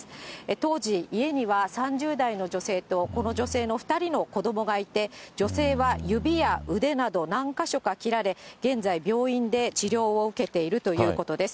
当時、家には３０代の女性と、この女性の２人の子どもがいて、女性は指や腕など何か所か切られ、現在、病院で治療を受けているということです。